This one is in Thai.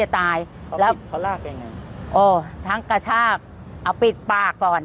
จะตายเขารากยังไงสมบัติเอ่อทั้งกระชากเอาปิดปากก่อน